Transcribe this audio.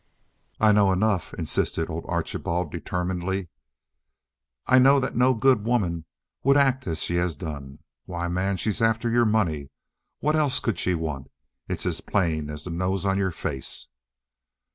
"I know enough," insisted old Archibald, determinedly. "I know that no good woman would act as she has done. Why, man, she's after your money. What else could she want? It's as plain as the nose on your face."